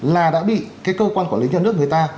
là đã bị cái cơ quan quản lý nhà nước người ta